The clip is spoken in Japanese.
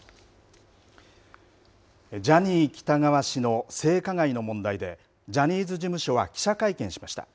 ジャニー喜多川氏の性加害の問題でジャニーズ事務所は記者会見をしました。